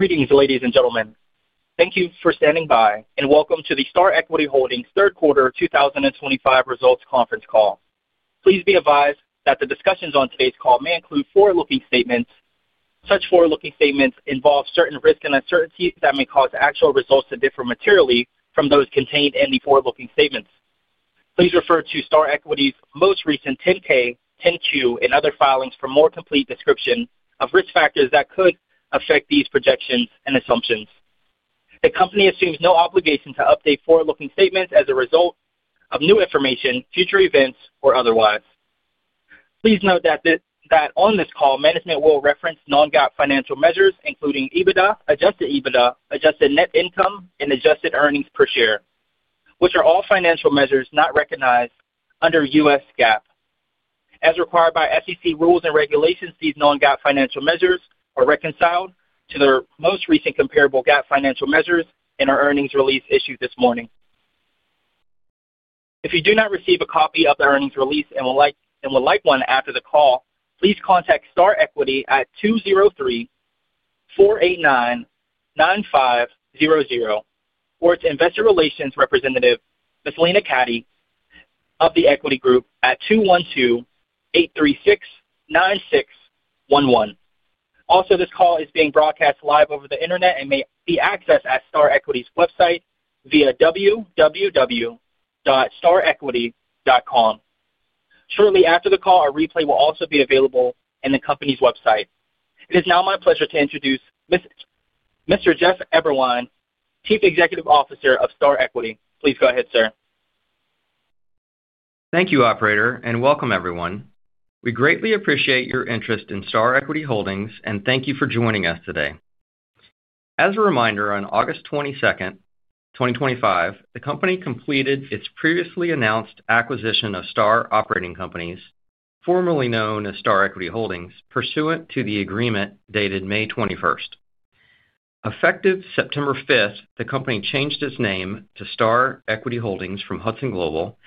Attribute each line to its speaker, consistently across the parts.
Speaker 1: Greetings, ladies and gentlemen. Thank you for standing by, and welcome to the Star Equity Holdings Third Quarter 2025 Results Conference Call. Please be advised that the discussions on today's call may include forward-looking statements. Such forward-looking statements involve certain risks and uncertainties that may cause actual results to differ materially from those contained in the forward-looking statements. Please refer to Star Equity Holdings' most recent 10-K, 10-Q, and other filings for a more complete description of risk factors that could affect these projections and assumptions. The company assumes no obligation to update forward-looking statements as a result of new information, future events, or otherwise. Please note that on this call, management will reference non-GAAP financial measures, including EBITDA, Adjusted EBITDA, adjusted net income, and adjusted earnings per share, which are all financial measures not recognized under U.S. GAAP. As required by SEC rules and regulations, these non-GAAP financial measures are reconciled to their most recent comparable GAAP financial measures in our earnings release issued this morning. If you do not receive a copy of the earnings release and would like one after the call, please contact Star Equity at 203-489-9500 or its investor relations representative, Ms. Lena Caddy, of The Equity Group at 212-836-9611. Also, this call is being broadcast live over the internet and may be accessed at Star Equity's website via www.star-equity.com. Shortly after the call, a replay will also be available in the company's website. It is now my pleasure to introduce Mr. Jeff Eberwein, Chief Executive Officer of Star Equity. Please go ahead, sir.
Speaker 2: Thank you, Operator, and welcome, everyone. We greatly appreciate your interest in Star Equity Holdings, and thank you for joining us today. As a reminder, on August 22nd, 2025, the company completed its previously announced acquisition of Star Operating Companies, formerly known as Star Equity Holdings, pursuant to the agreement dated May 21st. Effective September 5, the company changed its name to Star Equity Holdings from Hudson Global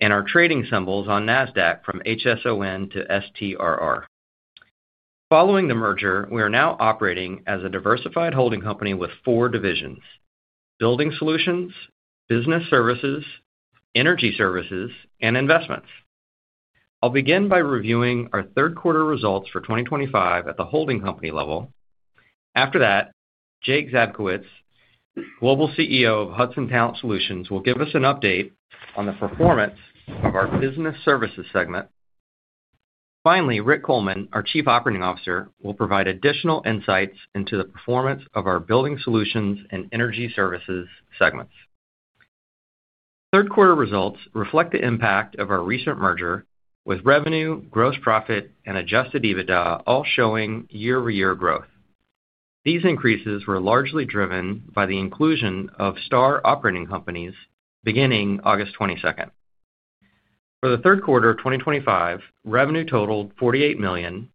Speaker 2: and our trading symbols on Nasdaq from HSON to STRR. Following the merger, we are now operating as a diversified holding company with four divisions: building solutions, business services, energy services, and investments. I'll begin by reviewing our third quarter results for 2025 at the holding company level. After that, Jake Zabkowicz, Global CEO of Hudson Talent Solutions, will give us an update on the performance of our business services segment. Finally, Rick Coleman, our Chief Operating Officer, will provide additional insights into the performance of our building solutions and energy services segments. Third quarter results reflect the impact of our recent merger, with revenue, gross profit, and Adjusted EBITDA all showing year-over-year growth. These increases were largely driven by the inclusion of Star Operating Companies beginning August 22, 2025. For the third quarter of 2025, revenue totaled $48 million,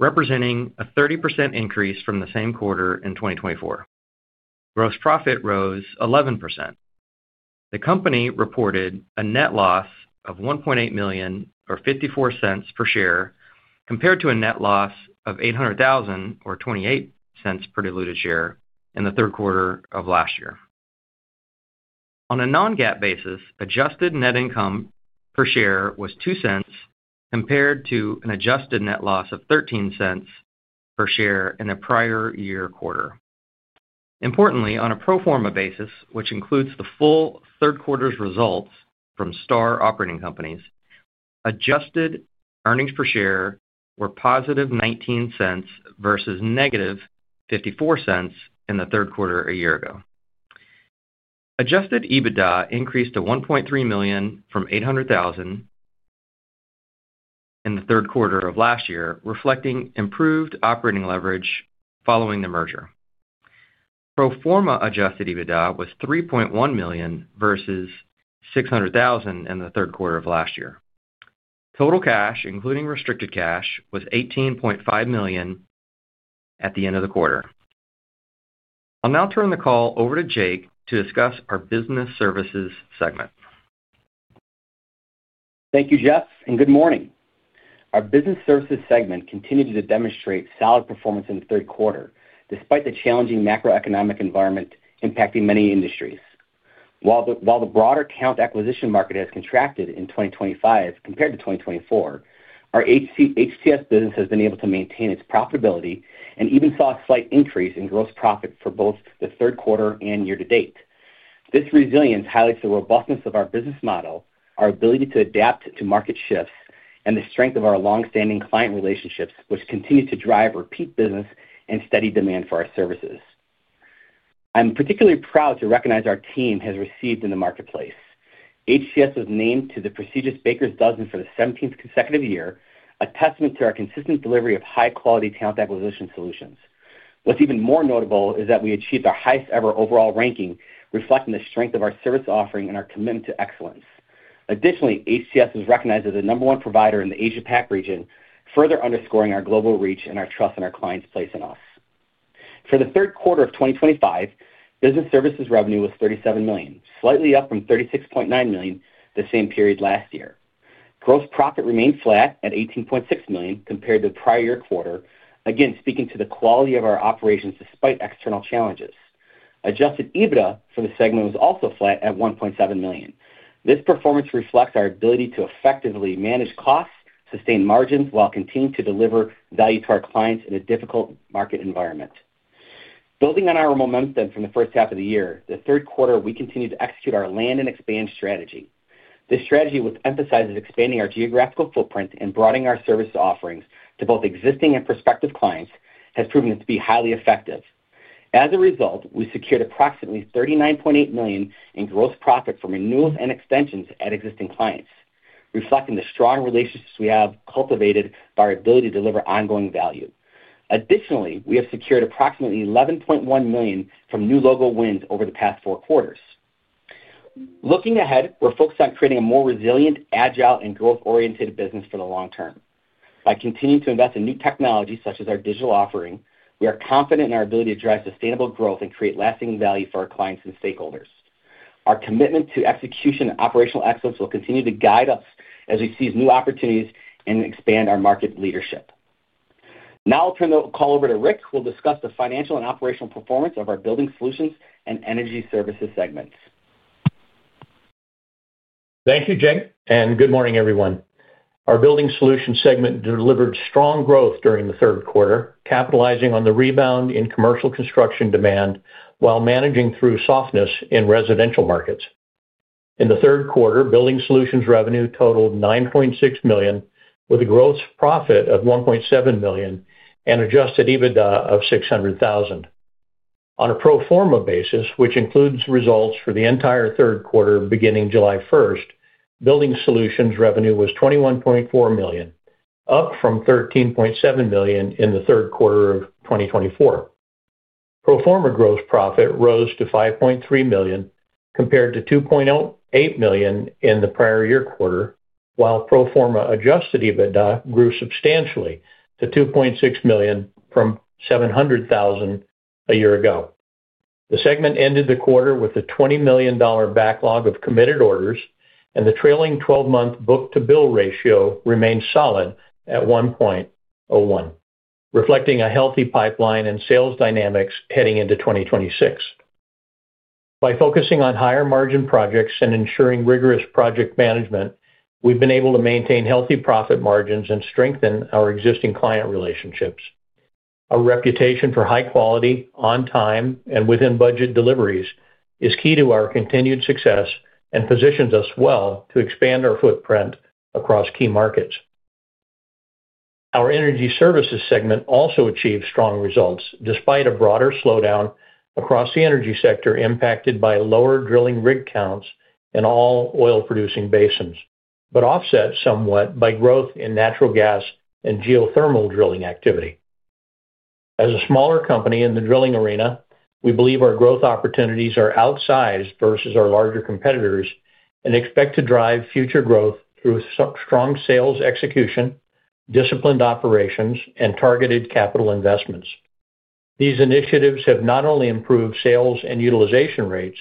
Speaker 2: representing a 30% increase from the same quarter in 2024. Gross profit rose 11%. The company reported a net loss of $1.8 million, or $0.54 per share, compared to a net loss of $800,000, or $0.28 per diluted share in the third quarter of last year. On a non-GAAP basis, adjusted net income per share was $0.02 compared to an adjusted net loss of $0.13 per share in the prior year quarter. Importantly, on a pro forma basis, which includes the full third quarter's results from Star Operating Companies, adjusted earnings per share were positive $0.19 versus negative $0.54 in the third quarter a year ago. Adjusted EBITDA increased to $1.3 million from $800,000 in the third quarter of last year, reflecting improved operating leverage following the merger. Pro forma Adjusted EBITDA was $3.1 million versus $600,000 in the third quarter of last year. Total cash, including restricted cash, was $18.5 million at the end of the quarter. I'll now turn the call over to Jake to discuss our business services segment.
Speaker 3: Thank you, Jeff, and good morning. Our business services segment continued to demonstrate solid performance in the third quarter, despite the challenging macroeconomic environment impacting many industries. While the broader acquisition market has contracted in 2025 compared to 2024, our HTS business has been able to maintain its profitability and even saw a slight increase in gross profit for both the third quarter and year to date. This resilience highlights the robustness of our business model, our ability to adapt to market shifts, and the strength of our longstanding client relationships, which continue to drive repeat business and steady demand for our services. I'm particularly proud to recognize our team has received in the marketplace. HTS was named to the prestigious Baker's Dozen for the 17th consecutive year, a testament to our consistent delivery of high-quality talent acquisition solutions. What's even more notable is that we achieved our highest-ever overall ranking, reflecting the strength of our service offering and our commitment to excellence. Additionally, HTS was recognized as the number one provider in the Asia-Pac region, further underscoring our global reach and our trust in our clients' place in us. For the third quarter of 2025, business services revenue was $37 million, slightly up from $36.9 million the same period last year. Gross profit remained flat at $18.6 million compared to the prior year quarter, again speaking to the quality of our operations despite external challenges. Adjusted EBITDA for the segment was also flat at $1.7 million. This performance reflects our ability to effectively manage costs, sustain margins, while continuing to deliver value to our clients in a difficult market environment. Building on our momentum from the first half of the year, the third quarter, we continued to execute our land and expand strategy. This strategy, which emphasizes expanding our geographical footprint and broadening our service offerings to both existing and prospective clients, has proven to be highly effective. As a result, we secured approximately $39.8 million in gross profit from renewals and extensions at existing clients, reflecting the strong relationships we have cultivated by our ability to deliver ongoing value. Additionally, we have secured approximately $11.1 million from new logo wins over the past four quarters. Looking ahead, we're focused on creating a more resilient, agile, and growth-oriented business for the long term. By continuing to invest in new technology, such as our digital offering, we are confident in our ability to drive sustainable growth and create lasting value for our clients and stakeholders. Our commitment to execution and operational excellence will continue to guide us as we seize new opportunities and expand our market leadership. Now I'll turn the call over to Rick, who will discuss the financial and operational performance of our Building Solutions and Energy Services segments.
Speaker 4: Thank you, Jake, and good morning, everyone. Our building solutions segment delivered strong growth during the third quarter, capitalizing on the rebound in commercial construction demand while managing through softness in residential markets. In the third quarter, building solutions revenue totaled $9.6 million, with a gross profit of $1.7 million and Adjusted EBITDA of $600,000. On a pro forma basis, which includes results for the entire third quarter beginning July 1st, building solutions revenue was $21.4 million, up from $13.7 million in the third quarter of 2024. Pro forma gross profit rose to $5.3 million compared to $2.8 million in the prior year quarter, while pro forma Adjusted EBITDA grew substantially to $2.6 million from $700,000 a year ago. The segment ended the quarter with a $20 million backlog of committed orders, and the trailing 12-month book-to-bill ratio remained solid at $1.01, reflecting a healthy pipeline and sales dynamics heading into 2026. By focusing on higher margin projects and ensuring rigorous project management, we've been able to maintain healthy profit margins and strengthen our existing client relationships. Our reputation for high quality, on time, and within-budget deliveries is key to our continued success and positions us well to expand our footprint across key markets. Our energy services segment also achieved strong results despite a broader slowdown across the energy sector impacted by lower drilling rig counts in all oil-producing basins, but offset somewhat by growth in natural gas and geothermal drilling activity. As a smaller company in the drilling arena, we believe our growth opportunities are outsized versus our larger competitors and expect to drive future growth through strong sales execution, disciplined operations, and targeted capital investments. These initiatives have not only improved sales and utilization rates,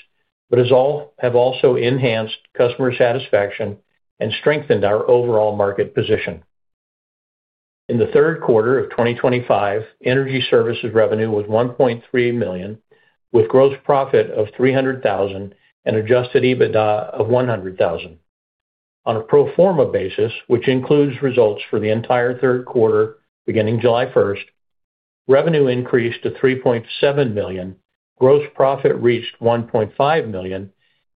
Speaker 4: but have also enhanced customer satisfaction and strengthened our overall market position. In the third quarter of 2025, energy services revenue was $1.3 million, with gross profit of $300,000 and Adjusted EBITDA of $100,000. On a pro forma basis, which includes results for the entire third quarter beginning July 1, revenue increased to $3.7 million, gross profit reached $1.5 million,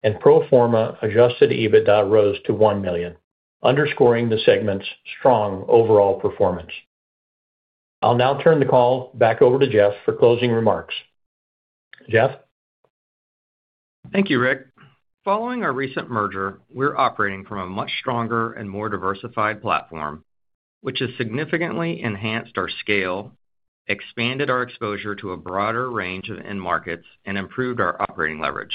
Speaker 4: and pro forma Adjusted EBITDA rose to $1 million, underscoring the segment's strong overall performance. I'll now turn the call back over to Jeff for closing remarks. Jeff?
Speaker 2: Thank you, Rick. Following our recent merger, we're operating from a much stronger and more diversified platform, which has significantly enhanced our scale, expanded our exposure to a broader range of end markets, and improved our operating leverage.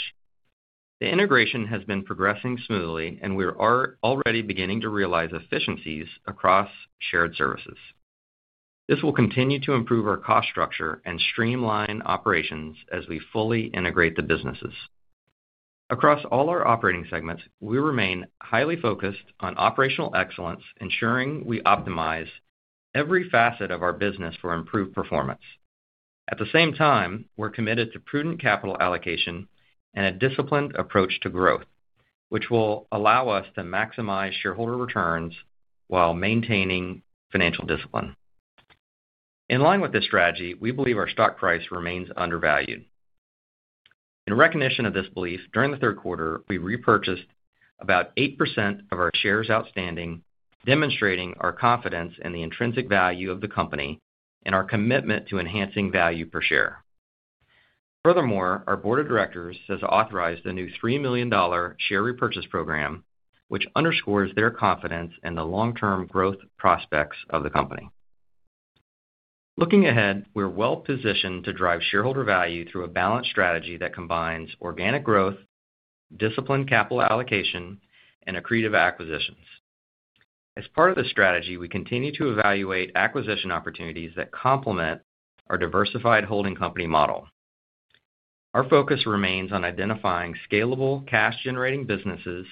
Speaker 2: The integration has been progressing smoothly, and we are already beginning to realize efficiencies across shared services. This will continue to improve our cost structure and streamline operations as we fully integrate the businesses. Across all our operating segments, we remain highly focused on operational excellence, ensuring we optimize every facet of our business for improved performance. At the same time, we're committed to prudent capital allocation and a disciplined approach to growth, which will allow us to maximize shareholder returns while maintaining financial discipline. In line with this strategy, we believe our stock price remains undervalued. In recognition of this belief, during the third quarter, we repurchased about 8% of our shares outstanding, demonstrating our confidence in the intrinsic value of the company and our commitment to enhancing value per share. Furthermore, our board of directors has authorized a new $3 million share repurchase program, which underscores their confidence in the long-term growth prospects of the company. Looking ahead, we're well-positioned to drive shareholder value through a balanced strategy that combines organic growth, disciplined capital allocation, and accretive acquisitions. As part of the strategy, we continue to evaluate acquisition opportunities that complement our diversified holding company model. Our focus remains on identifying scalable cash-generating businesses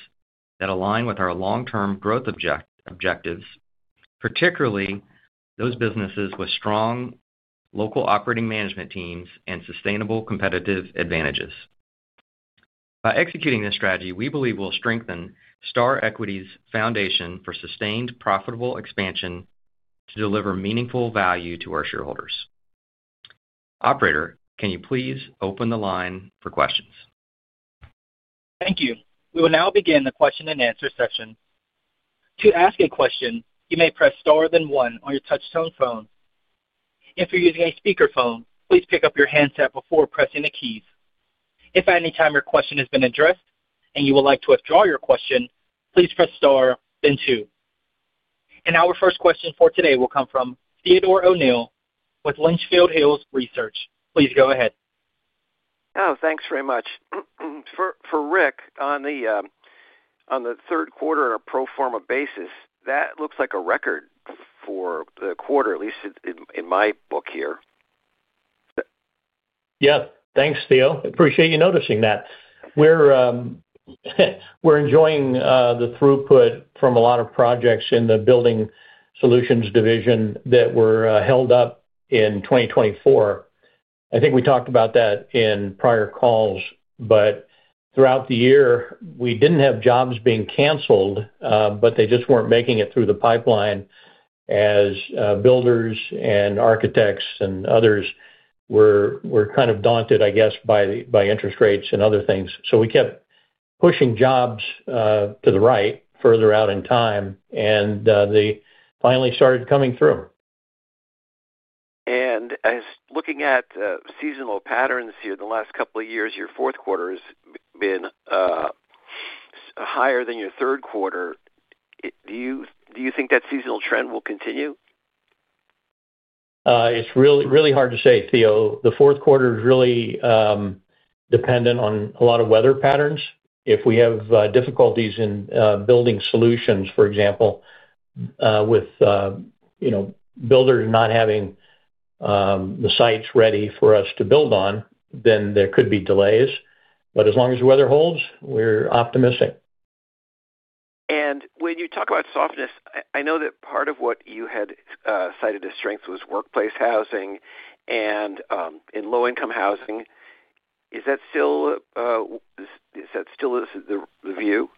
Speaker 2: that align with our long-term growth objectives, particularly those businesses with strong local operating management teams and sustainable competitive advantages. By executing this strategy, we believe we'll strengthen Star Equity's foundation for sustained profitable expansion to deliver meaningful value to our shareholders. Operator, can you please open the line for questions?
Speaker 1: Thank you. We will now begin the question-and-answer session. To ask a question, you may press star then one on your touchstone phone. If you're using a speakerphone, please pick up your handset before pressing the keys. If at any time your question has been addressed and you would like to withdraw your question, please press star then two. Our first question for today will come from Theodore O'Neill with Litchfield Hills Research. Please go ahead.
Speaker 5: Oh, thanks very much. For Rick, on the third quarter on a pro forma basis, that looks like a record for the quarter, at least in my book here.
Speaker 4: Yes. Thanks, Theo. Appreciate you noticing that. We're enjoying the throughput from a lot of projects in the building solutions division that were held up in 2024. I think we talked about that in prior calls, but throughout the year, we didn't have jobs being canceled, but they just weren't making it through the pipeline as builders and architects and others were kind of daunted, I guess, by interest rates and other things. We kept pushing jobs to the right further out in time, and they finally started coming through.
Speaker 5: Looking at seasonal patterns here in the last couple of years, your fourth quarter has been higher than your third quarter. Do you think that seasonal trend will continue?
Speaker 4: It's really hard to say, Theo. The fourth quarter is really dependent on a lot of weather patterns. If we have difficulties in building solutions, for example, with builders not having the sites ready for us to build on, there could be delays. As long as the weather holds, we're optimistic.
Speaker 5: When you talk about softness, I know that part of what you had cited as strengths was workplace housing and low-income housing. Is that still the view?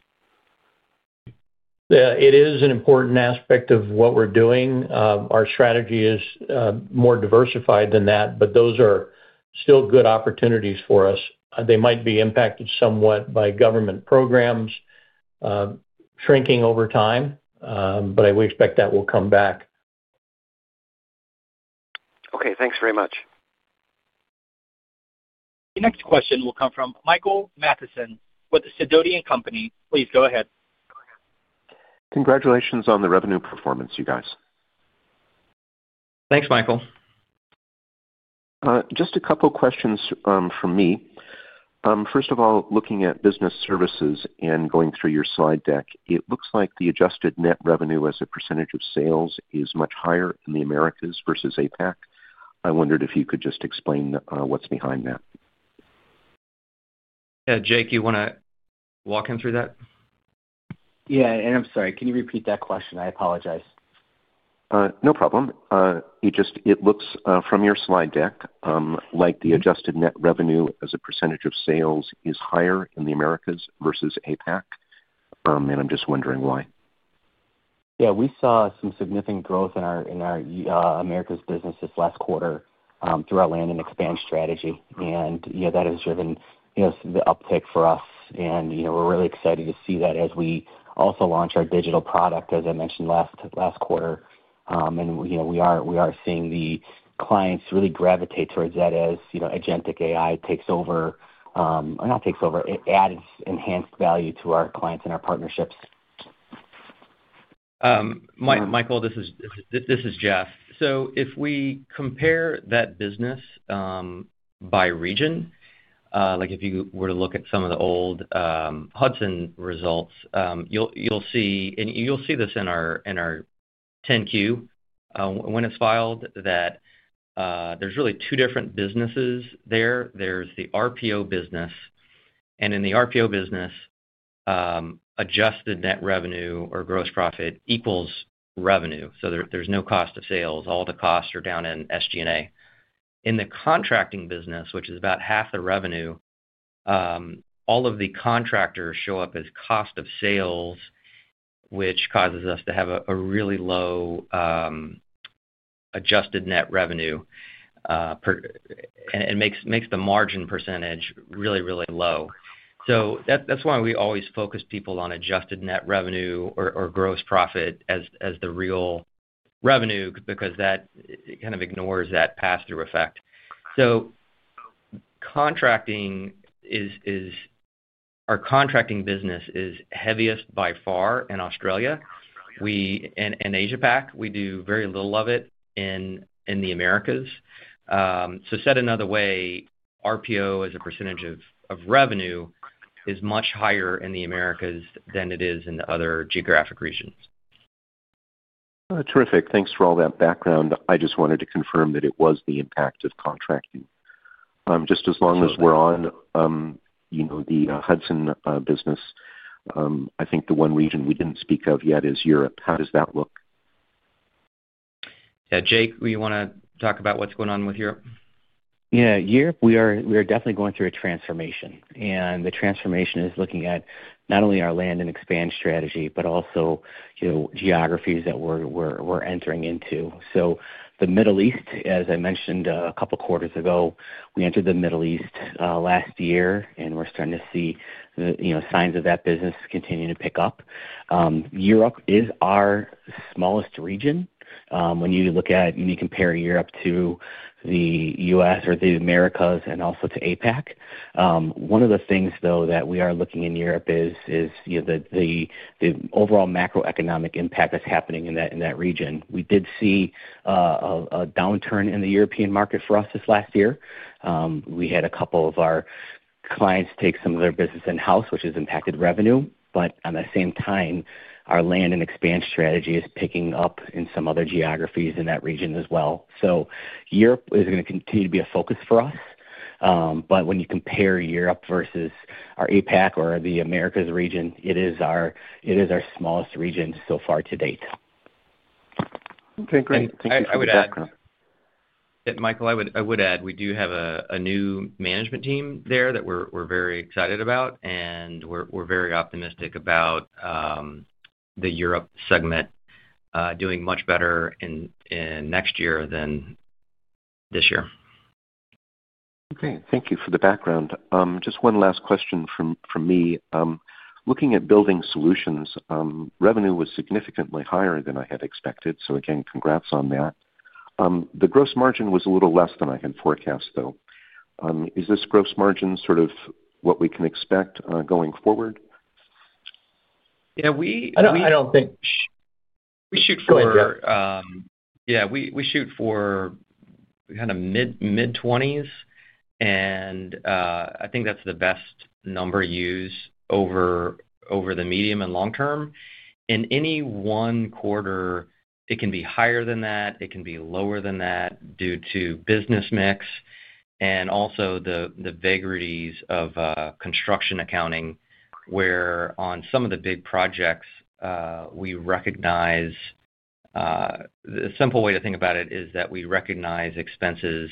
Speaker 4: It is an important aspect of what we're doing. Our strategy is more diversified than that, but those are still good opportunities for us. They might be impacted somewhat by government programs shrinking over time, but we expect that will come back.
Speaker 5: Okay. Thanks very much.
Speaker 1: The next question will come from Michael Matheson with the Sidonian Company. Please go ahead. Congratulations on the revenue performance, you guys.
Speaker 2: Thanks, Michael. Just a couple of questions from me. First of all, looking at business services and going through your slide deck, it looks like the adjusted net revenue as a percentage of sales is much higher in the Americas versus APAC. I wondered if you could just explain what's behind that. Yeah. Jake, you want to walk him through that?
Speaker 3: Yeah. I'm sorry. Can you repeat that question? I apologize. No problem. It looks from your slide deck like the adjusted net revenue as a percentage of sales is higher in the Americas versus APAC, and I'm just wondering why. Yeah. We saw some significant growth in our Americas business this last quarter through our land and expand strategy, and that has driven the uptick for us. We are really excited to see that as we also launch our digital product, as I mentioned last quarter. We are seeing the clients really gravitate towards that as agentic AI takes over, or not takes over, it adds enhanced value to our clients and our partnerships.
Speaker 2: Michael, this is Jeff. If we compare that business by region, like if you were to look at some of the old Hudson results, you'll see this in our 10-Q when it's filed that there's really two different businesses there. There's the RPO business, and in the RPO business, adjusted net revenue or gross profit equals revenue. There's no cost of sales. All the costs are down in SG&A. In the contracting business, which is about half the revenue, all of the contractors show up as cost of sales, which causes us to have a really low adjusted net revenue. It makes the margin percentage really, really low. That's why we always focus people on adjusted net revenue or gross profit as the real revenue because that kind of ignores that pass-through effect. Our contracting business is heaviest by far in Australia. In APAC, we do very little of it in the Americas. So said another way, RPO as a percentage of revenue is much higher in the Americas than it is in the other geographic regions. Terrific. Thanks for all that background. I just wanted to confirm that it was the impact of contracting. Just as long as we're on the Hudson business, I think the one region we didn't speak of yet is Europe. How does that look? Yeah. Jake, you want to talk about what's going on with Europe?
Speaker 3: Yeah. Europe, we are definitely going through a transformation. The transformation is looking at not only our land and expand strategy, but also geographies that we're entering into. The Middle East, as I mentioned a couple of quarters ago, we entered the Middle East last year, and we're starting to see signs of that business continuing to pick up. Europe is our smallest region. When you look at and you compare Europe to the U.S. or the Americas and also to APAC, one of the things, though, that we are looking in Europe is the overall macroeconomic impact that's happening in that region. We did see a downturn in the European market for us this last year. We had a couple of our clients take some of their business in-house, which has impacted revenue. At the same time, our land and expand strategy is picking up in some other geographies in that region as well. Europe is going to continue to be a focus for us. When you compare Europe versus our APAC or the Americas region, it is our smallest region so far to date. Okay. Great. Thank you for that background.
Speaker 2: Michael, I would add we do have a new management team there that we're very excited about, and we're very optimistic about the Europe segment doing much better next year than this year. Okay. Thank you for the background. Just one last question from me. Looking at building solutions, revenue was significantly higher than I had expected. Again, congrats on that. The gross margin was a little less than I had forecast, though. Is this gross margin sort of what we can expect going forward? Yeah. We shoot for kind of mid-20s, and I think that's the best number to use over the medium and long term. In any one quarter, it can be higher than that. It can be lower than that due to business mix and also the vagaries of construction accounting, where on some of the big projects, we recognize—the simple way to think about it is that we recognize expenses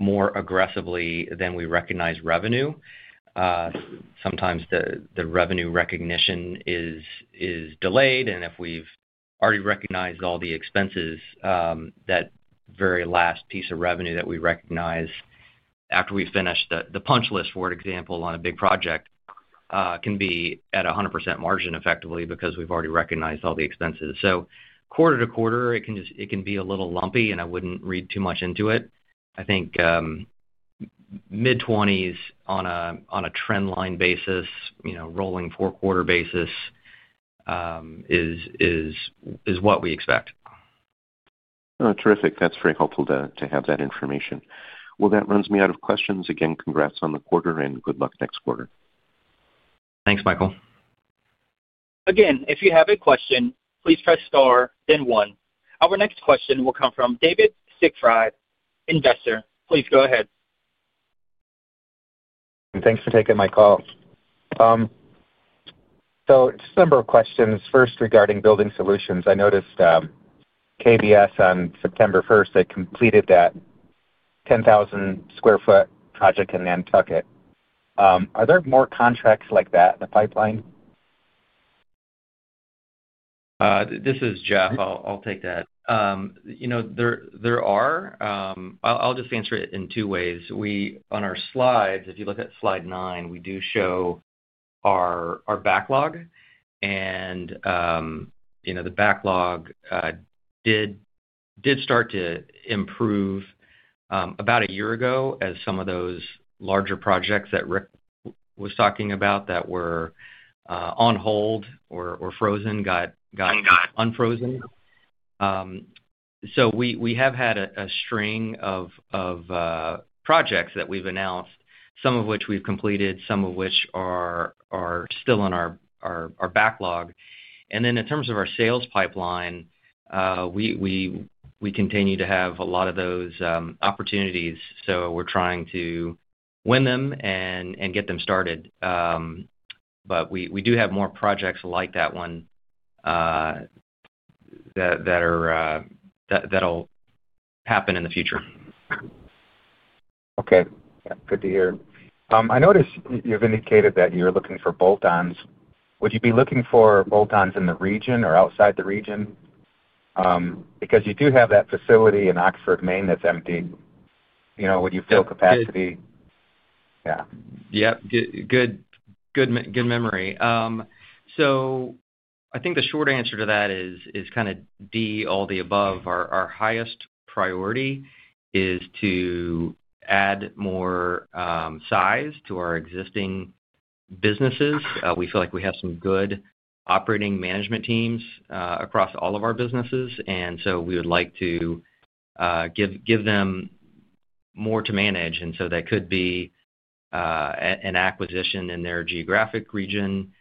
Speaker 2: more aggressively than we recognize revenue. Sometimes the revenue recognition is delayed, and if we've already recognized all the expenses, that very last piece of revenue that we recognize after we finish the punch list, for example, on a big project can be at 100% margin effectively because we've already recognized all the expenses. Quarter-to-quarter, it can be a little lumpy, and I wouldn't read too much into it. I think mid-20s on a trend line basis, rolling four-quarter basis is what we expect. Terrific. That's very helpful to have that information. That runs me out of questions. Again, congrats on the quarter and good luck next quarter. Thanks, Michael.
Speaker 1: Again, if you have a question, please press star then one. Our next question will come from David Siegfried, investor. Please go ahead. Thanks for taking my call. So just a number of questions. First, regarding building solutions, I noticed KBS on September 1st, they completed that 10,000 sq ft project in Nantucket. Are there more contracts like that in the pipeline?
Speaker 2: This is Jeff. I'll take that. There are. I'll just answer it in two ways. On our slides, if you look at slide nine, we do show our backlog. The backlog did start to improve about a year ago as some of those larger projects that Rick was talking about that were on hold or frozen got unfrozen. We have had a string of projects that we've announced, some of which we've completed, some of which are still in our backlog. In terms of our sales pipeline, we continue to have a lot of those opportunities. We're trying to win them and get them started. We do have more projects like that one that'll happen in the future. Okay. Good to hear. I noticed you've indicated that you're looking for bolt-ons. Would you be looking for bolt-ons in the region or outside the region? Because you do have that facility in Oxford, Maine that's empty. Would you fill capacity? Yeah. Yep. Good memory. I think the short answer to that is kind of D, all the above. Our highest priority is to add more size to our existing businesses. We feel like we have some good operating management teams across all of our businesses, and we would like to give them more to manage. That could be an acquisition in their geographic region.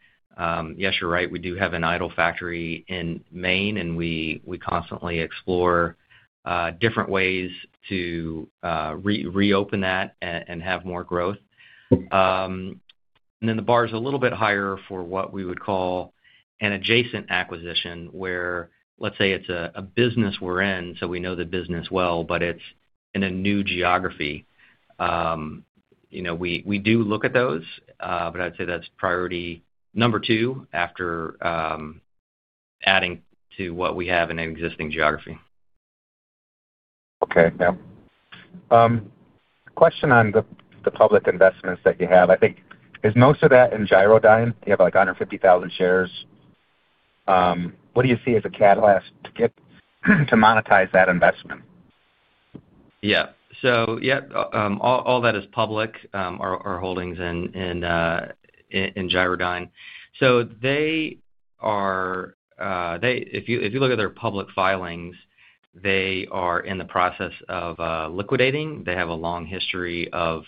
Speaker 2: Yes, you're right. We do have an idle factory in Maine, and we constantly explore different ways to reopen that and have more growth. The bar is a little bit higher for what we would call an adjacent acquisition where, let's say, it's a business we're in, so we know the business well, but it's in a new geography. We do look at those, but I'd say that's priority number two after adding to what we have in an existing geography. Okay. Now, question on the public investments that you have. I think is most of that in Gyrodyne? You have like 150,000 shares. What do you see as a catalyst to monetize that investment? Yeah. So yeah, all that is public, our holdings in Gyrodyne. If you look at their public filings, they are in the process of liquidating. They have a long history of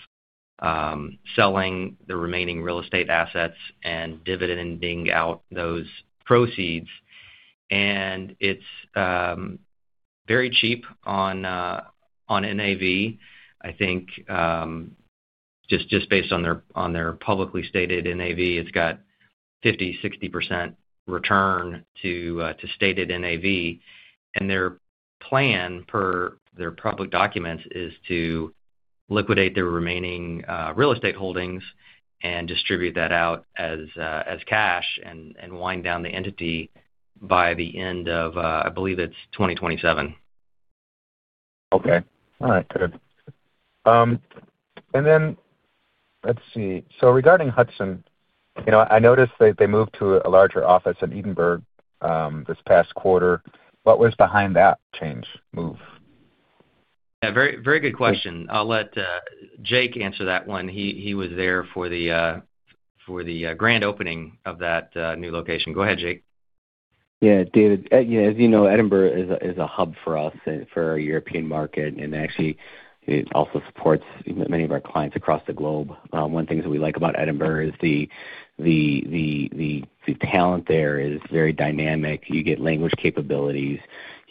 Speaker 2: selling the remaining real estate assets and dividending out those proceeds. It is very cheap on NAV. I think just based on their publicly stated NAV, it has 50-60% return to stated NAV. Their plan per their public documents is to liquidate their remaining real estate holdings and distribute that out as cash and wind down the entity by the end of, I believe it is 2027. Okay. All right. Good. Let's see. Regarding Hudson, I noticed they moved to a larger office in Edinburgh this past quarter. What was behind that change move? Yeah. Very good question. I'll let Jake answer that one. He was there for the grand opening of that new location. Go ahead, Jake.
Speaker 3: Yeah. David, yeah, as you know, Edinburgh is a hub for us for our European market, and actually, it also supports many of our clients across the globe. One thing that we like about Edinburgh is the talent there is very dynamic. You get language capabilities.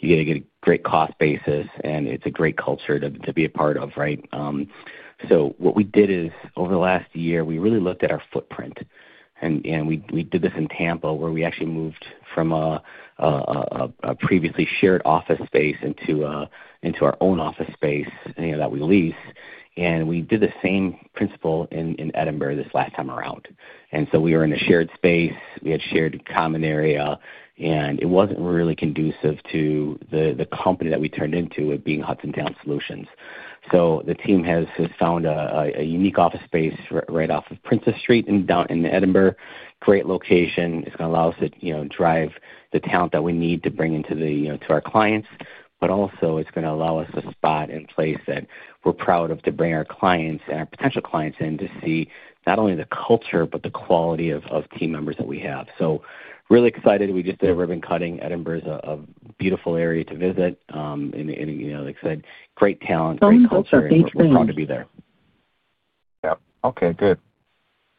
Speaker 3: You get a great cost basis, and it's a great culture to be a part of, right? What we did is over the last year, we really looked at our footprint. We did this in Tampa where we actually moved from a previously shared office space into our own office space that we lease. We did the same principle in Edinburgh this last time around. We were in a shared space. We had shared common area, and it wasn't really conducive to the company that we turned into, it being Hudson Talent Solutions. The team has found a unique office space right off of Princess Street in Edinburgh. Great location. It is going to allow us to drive the talent that we need to bring into our clients, but also it is going to allow us a spot in a place that we are proud of to bring our clients and our potential clients in to see not only the culture but the quality of team members that we have. Really excited. We just did a ribbon cutting. Edinburgh is a beautiful area to visit. Like I said, great talent, great culture. We are proud to be there. Yeah. Okay. Good.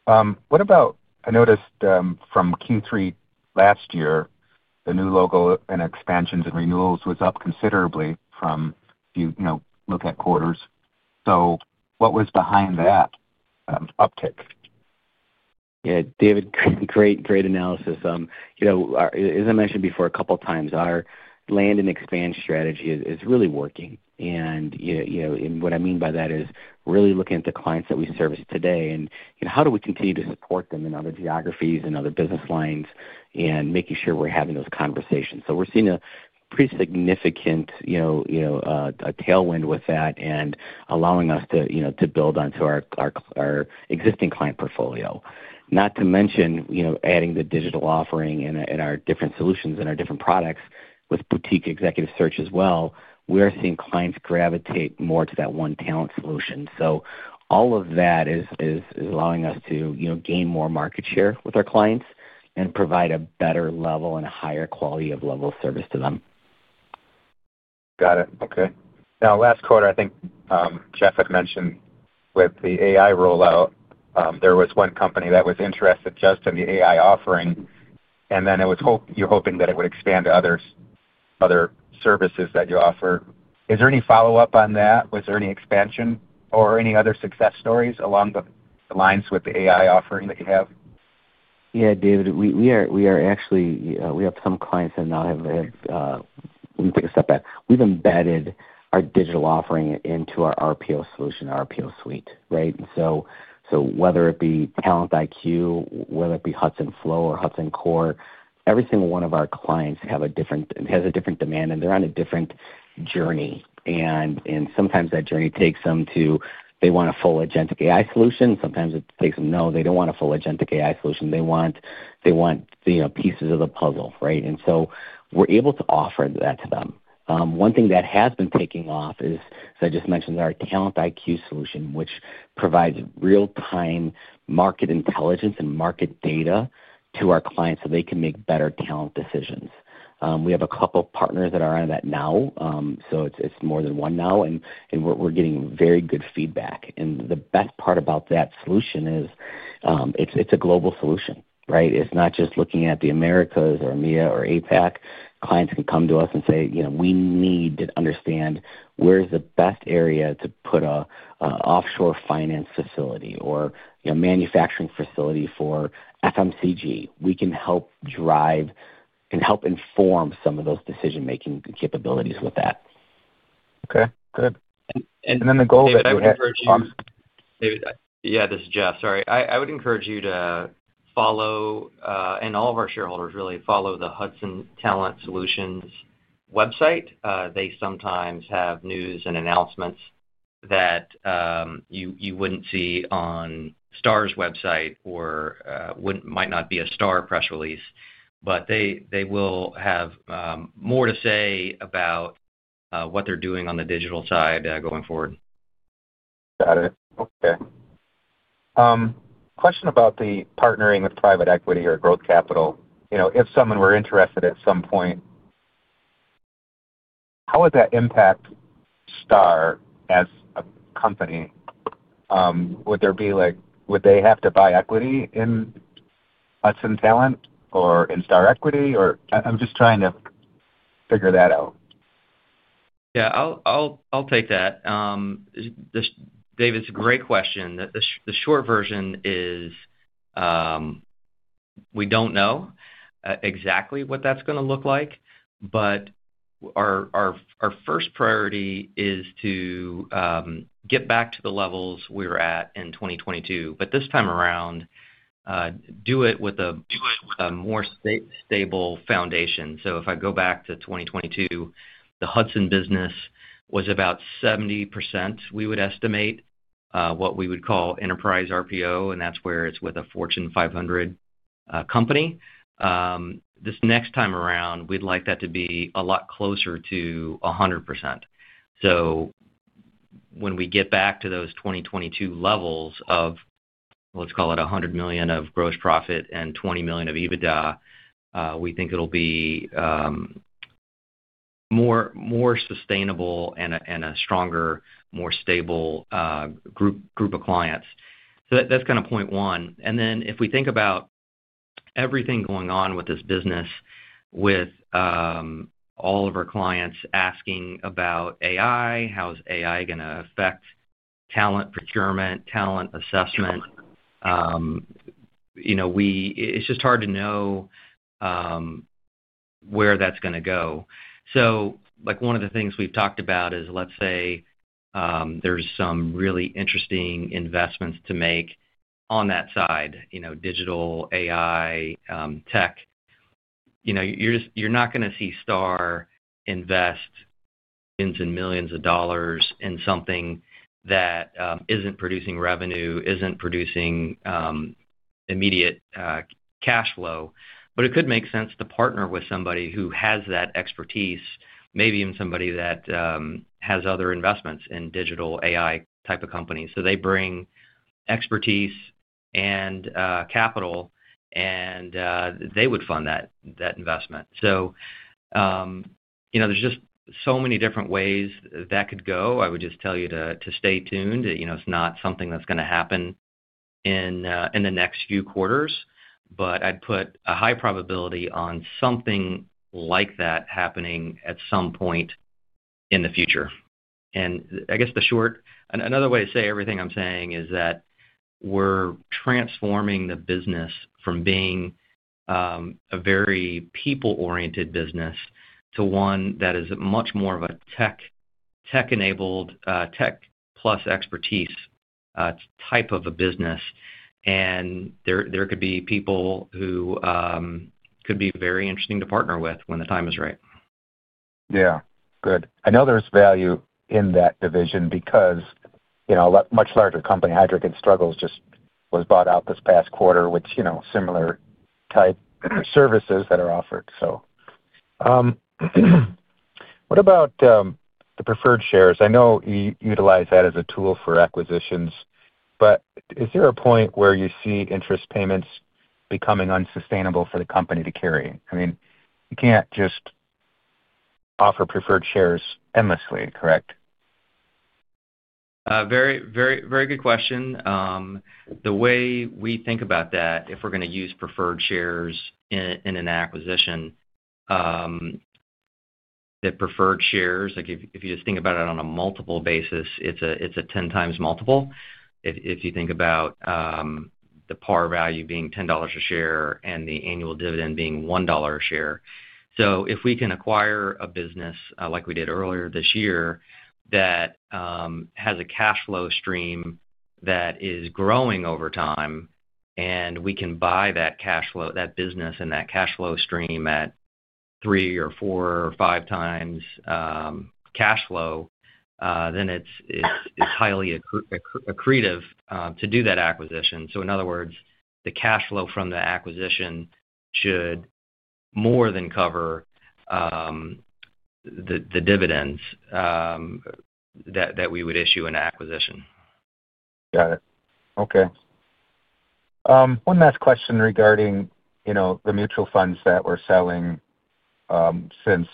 Speaker 3: I noticed from Q3 last year, the new logo and expansions and renewals was up considerably from looking at quarters. What was behind that uptick? Yeah. David, great analysis. As I mentioned before a couple of times, our land and expand strategy is really working. What I mean by that is really looking at the clients that we service today and how do we continue to support them in other geographies and other business lines and making sure we're having those conversations. We're seeing a pretty significant tailwind with that and allowing us to build onto our existing client portfolio. Not to mention adding the digital offering and our different solutions and our different products with boutique executive search as well, we're seeing clients gravitate more to that one talent solution. All of that is allowing us to gain more market share with our clients and provide a better level and a higher quality of level of service to them. Got it. Okay. Now, last quarter, I think Jeff had mentioned with the AI rollout, there was one company that was interested just in the AI offering, and then you’re hoping that it would expand to other services that you offer. Is there any follow-up on that? Was there any expansion or any other success stories along the lines with the AI offering that you have? Yeah, David, we are actually, we have some clients that now have, let me take a step back. We've embedded our digital offering into our RPO solution, RPO suite, right? Whether it be Talent IQ, whether it be Hudson Flow or Hudson Core, every single one of our clients has a different demand, and they're on a different journey. Sometimes that journey takes them to, they want a full agentic AI solution. Sometimes it takes them, no, they don't want a full agentic AI solution. They want pieces of the puzzle, right? We're able to offer that to them. One thing that has been taking off is, as I just mentioned, our Talent IQ solution, which provides real-time market intelligence and market data to our clients so they can make better talent decisions. We have a couple of partners that are on that now. It's more than one now, and we're getting very good feedback. The best part about that solution is it's a global solution, right? It's not just looking at the Americas or EMEA or APAC. Clients can come to us and say, "We need to understand where's the best area to put an offshore finance facility or manufacturing facility for FMCG." We can help drive and help inform some of those decision-making capabilities with that. Okay. Good. And then the goal that you would have on.
Speaker 2: David, yeah, this is Jeff. Sorry. I would encourage you to follow, and all of our shareholders really, follow the Hudson Talent Solutions website. They sometimes have news and announcements that you would not see on Star's website or might not be a Star press release, but they will have more to say about what they are doing on the digital side going forward. Got it. Okay. Question about the partnering with private equity or growth capital. If someone were interested at some point, how would that impact Star as a company? Would they have to buy equity in Hudson Talent or in Star Equity? I'm just trying to figure that out. Yeah. I'll take that. David, it's a great question. The short version is we don't know exactly what that's going to look like, but our first priority is to get back to the levels we were at in 2022, but this time around, do it with a more stable foundation. If I go back to 2022, the Hudson business was about 70%, we would estimate, what we would call enterprise RPO, and that's where it's with a Fortune 500 company. This next time around, we'd like that to be a lot closer to 100%. When we get back to those 2022 levels of, let's call it $100 million of gross profit and $20 million of EBITDA, we think it'll be more sustainable and a stronger, more stable group of clients. That's kind of point one. If we think about everything going on with this business, with all of our clients asking about AI, how's AI going to affect talent procurement, talent assessment, it's just hard to know where that's going to go. One of the things we've talked about is, let's say there's some really interesting investments to make on that side, digital AI tech. You're not going to see Star invest millions and millions of dollars in something that isn't producing revenue, isn't producing immediate cash flow, but it could make sense to partner with somebody who has that expertise, maybe even somebody that has other investments in digital AI type of companies. They bring expertise and capital, and they would fund that investment. There are just so many different ways that could go. I would just tell you to stay tuned. It's not something that's going to happen in the next few quarters, but I'd put a high probability on something like that happening at some point in the future. I guess the short another way to say everything I'm saying is that we're transforming the business from being a very people-oriented business to one that is much more of a tech-enabled, tech-plus expertise type of a business. There could be people who could be very interesting to partner with when the time is right. Yeah. Good. I know there's value in that division because a much larger company, Heidrick & Struggles, just was bought out this past quarter with similar type services that are offered, so. What about the preferred shares? I know you utilize that as a tool for acquisitions, but is there a point where you see interest payments becoming unsustainable for the company to carry? I mean, you can't just offer preferred shares endlessly, correct? Very good question. The way we think about that, if we're going to use preferred shares in an acquisition, the preferred shares, if you just think about it on a multiple basis, it's a 10 times multiple. If you think about the par value being $10 a share and the annual dividend being $1 a share. If we can acquire a business like we did earlier this year that has a cash flow stream that is growing over time and we can buy that business and that cash flow stream at three or four or five times cash flow, then it's highly accretive to do that acquisition. In other words, the cash flow from the acquisition should more than cover the dividends that we would issue in an acquisition. Got it. Okay. One last question regarding the mutual funds that we're selling since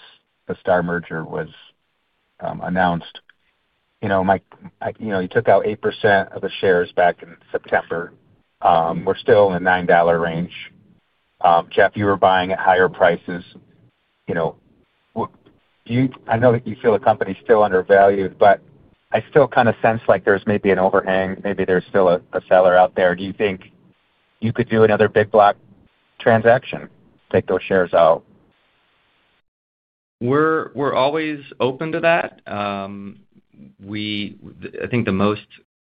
Speaker 2: the Star merger was announced. You took out 8% of the shares back in September. We're still in the $9 range. Jeff, you were buying at higher prices. I know that you feel the company's still undervalued, but I still kind of sense like there's maybe an overhang. Maybe there's still a seller out there. Do you think you could do another big block transaction, take those shares out? We're always open to that. I think the most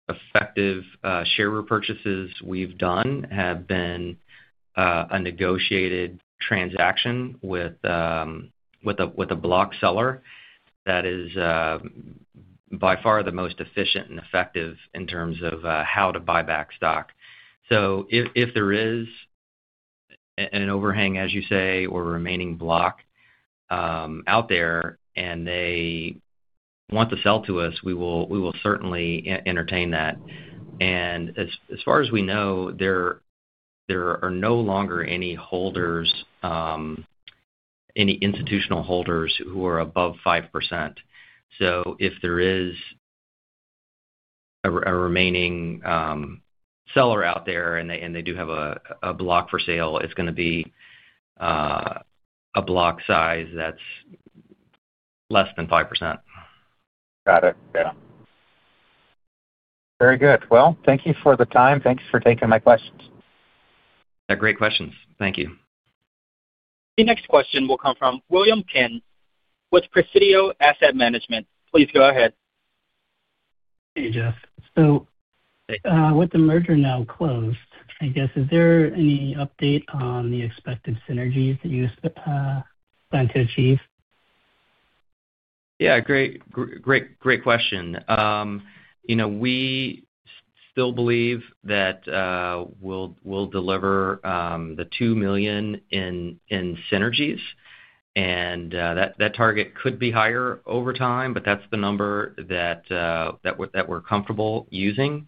Speaker 2: effective share repurchases we've done have been a negotiated transaction with a block seller. That is by far the most efficient and effective in terms of how to buy back stock. If there is an overhang, as you say, or remaining block out there and they want to sell to us, we will certainly entertain that. As far as we know, there are no longer any institutional holders who are above 5%. If there is a remaining seller out there and they do have a block for sale, it's going to be a block size that's less than 5%. Got it. Yeah. Very good. Thank you for the time. Thanks for taking my questions. Yeah. Great questions. Thank you.
Speaker 1: The next question will come from William Penn with Presidio Asset Management. Please go ahead.
Speaker 6: Hey, Jeff. With the merger now closed, I guess, is there any update on the expected synergies that you plan to achieve?
Speaker 2: Yeah. Great question. We still believe that we'll deliver the $2 million in synergies, and that target could be higher over time, but that's the number that we're comfortable using.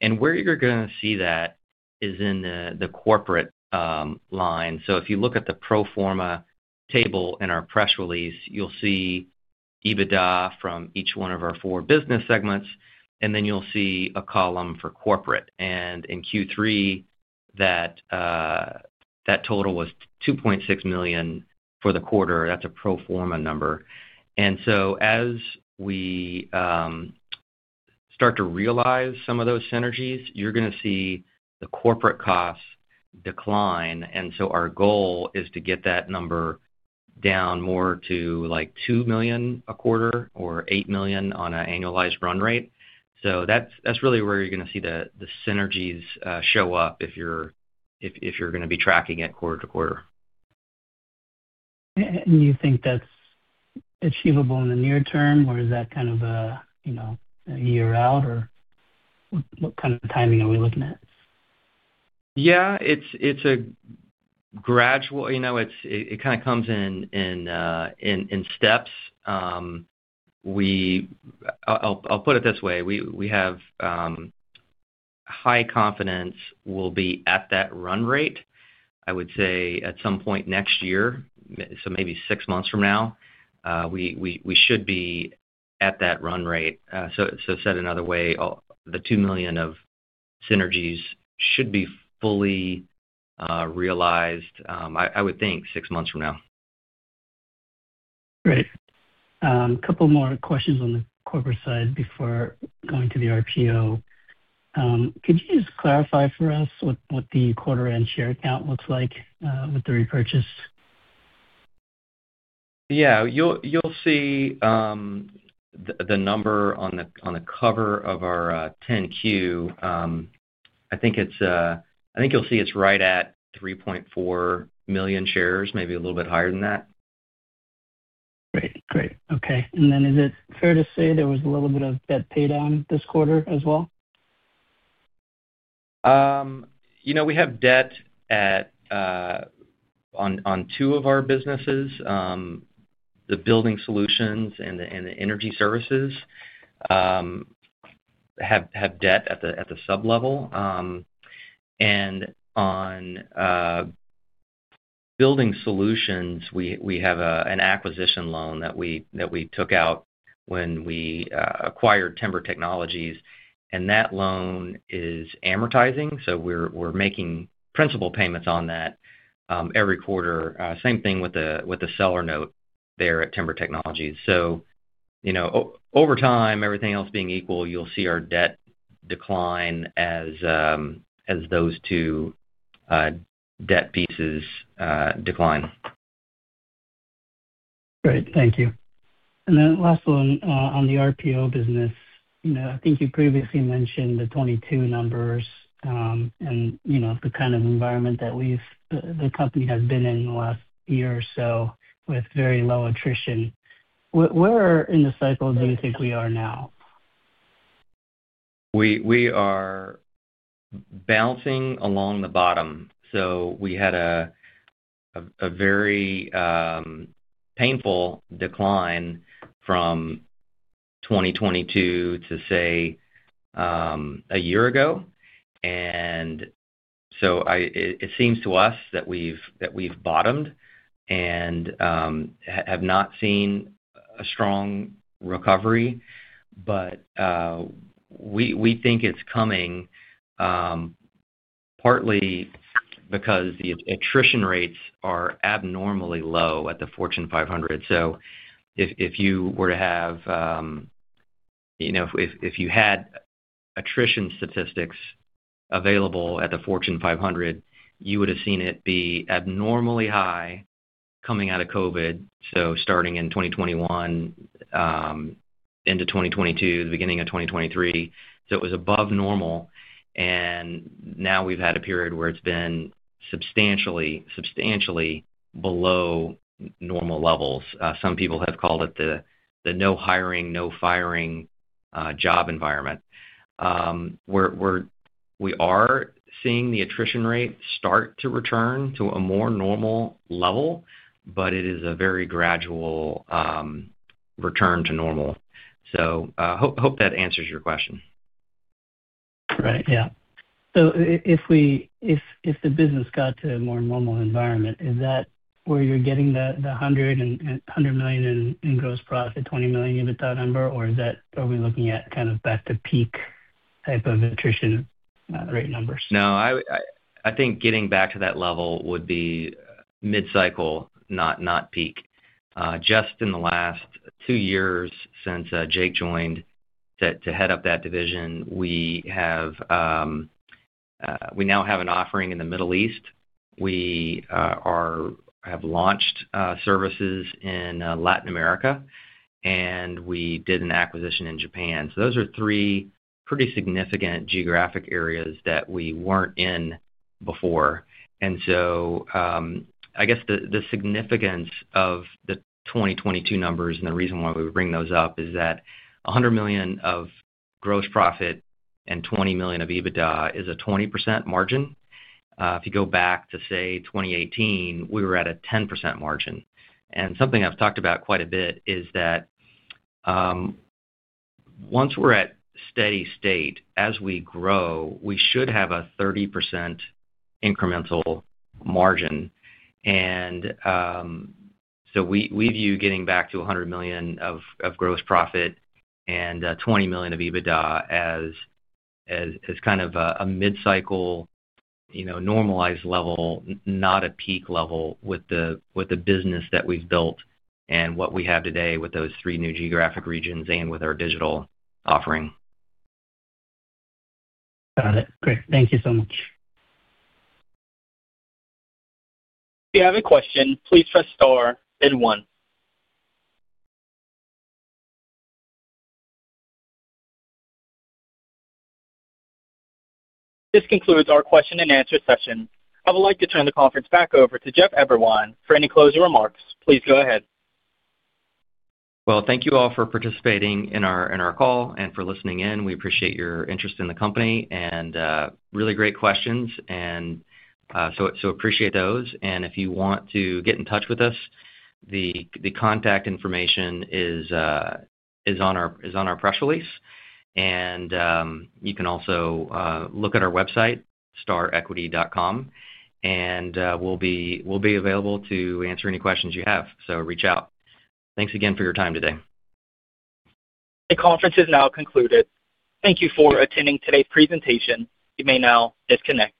Speaker 2: Where you're going to see that is in the corporate line. If you look at the pro forma table in our press release, you'll see EBITDA from each one of our four business segments, and then you'll see a column for corporate. In Q3, that total was $2.6 million for the quarter. That's a pro forma number. As we start to realize some of those synergies, you're going to see the corporate costs decline. Our goal is to get that number down more to like $2 million a quarter or $8 million on an annualized run rate. That's really where you're going to see the synergies show up if you're going to be tracking it quarter to quarter.
Speaker 6: Do you think that's achievable in the near term, or is that kind of a year out, or what kind of timing are we looking at?
Speaker 2: Yeah. It's a gradual, it kind of comes in steps. I'll put it this way. We have high confidence we'll be at that run rate. I would say at some point next year, so maybe six months from now, we should be at that run rate. Said another way, the $2 million of synergies should be fully realized, I would think, six months from now.
Speaker 6: Great. A couple more questions on the corporate side before going to the RPO. Could you just clarify for us what the quarter-end share count looks like with the repurchase?
Speaker 2: Yeah. You'll see the number on the cover of our 10-Q. I think you'll see it's right at 3.4 million shares, maybe a little bit higher than that.
Speaker 6: Great. Great. Okay. Is it fair to say there was a little bit of debt paid on this quarter as well?
Speaker 2: We have debt on two of our businesses. The building solutions and the energy services have debt at the sublevel. On building solutions, we have an acquisition loan that we took out when we acquired Timber Technologies. That loan is amortizing. We are making principal payments on that every quarter. Same thing with the seller note there at Timber Technologies. Over time, everything else being equal, you will see our debt decline as those two debt pieces decline.
Speaker 6: Great. Thank you. Then last one, on the RPO business, I think you previously mentioned the 2022 numbers and the kind of environment that the company has been in the last year or so with very low attrition. Where in the cycle do you think we are now?
Speaker 2: We are bouncing along the bottom. We had a very painful decline from 2022 to, say, a year ago. It seems to us that we've bottomed and have not seen a strong recovery. We think it's coming partly because the attrition rates are abnormally low at the Fortune 500. If you had attrition statistics available at the Fortune 500, you would have seen it be abnormally high coming out of COVID. Starting in 2021, into 2022, the beginning of 2023, it was above normal. Now we've had a period where it's been substantially below normal levels. Some people have called it the no hiring, no firing job environment. We are seeing the attrition rate start to return to a more normal level, but it is a very gradual return to normal. Hope that answers your question.
Speaker 6: Right. Yeah. So if the business got to a more normal environment, is that where you're getting the $100 million in gross profit, $20 million EBITDA number, or are we looking at kind of back to peak type of attrition rate numbers?
Speaker 2: No. I think getting back to that level would be mid-cycle, not peak. Just in the last two years since Jake joined to head up that division, we now have an offering in the Middle East. We have launched services in Latin America, and we did an acquisition in Japan. Those are three pretty significant geographic areas that we were not in before. I guess the significance of the 2022 numbers and the reason why we bring those up is that $100 million of gross profit and $20 million of EBITDA is a 20% margin. If you go back to, say, 2018, we were at a 10% margin. Something I have talked about quite a bit is that once we are at steady state, as we grow, we should have a 30% incremental margin. We view getting back to $100 million of gross profit and $20 million of EBITDA as kind of a mid-cycle normalized level, not a peak level with the business that we have built and what we have today with those three new geographic regions and with our digital offering.
Speaker 6: Got it. Great. Thank you so much.
Speaker 1: We have a question. Please press star and one. This concludes our question-and-answer session. I would like to turn the conference back over to Jeff Eberwein for any closing remarks. Please go ahead.
Speaker 2: Thank you all for participating in our call and for listening in. We appreciate your interest in the company and really great questions. We appreciate those. If you want to get in touch with us, the contact information is on our press release. You can also look at our website, starrequity.com, and we will be available to answer any questions you have. Reach out. Thanks again for your time today.
Speaker 1: The conference is now concluded. Thank you for attending today's presentation. You may now disconnect.